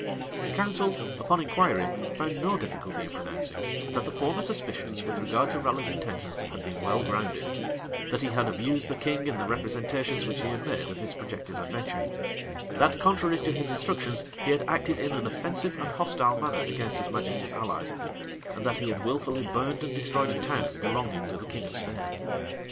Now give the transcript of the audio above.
The council, upon inquiry, found no difficulty in pronouncing, that the former suspicions, with regard to Raleigh's intentions, had been well grounded; that he had abused the king in the representations which he had made of his projected adventure; that, contrary to his instructions, he had acted in an offensive and hostile manner against his majesty's allies; and that he had wilfully burned and destroyed a town belonging to the king of Spain.